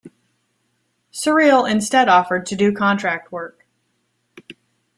Surreal instead offered to do contract work.